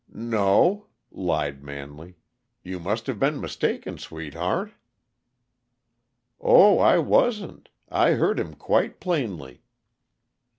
"No," lied Manley. "You must have been mistaken, sweetheart." "Oh, I wasn't; I heard him quite plainly."